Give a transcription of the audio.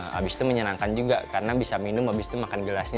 habis itu menyenangkan juga karena bisa minum habis itu makan gelasnya